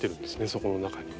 そこの中にね。